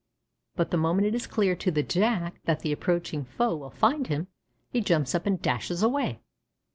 But the moment it is clear to the Jack that the approaching foe will find him, he jumps up and dashes away.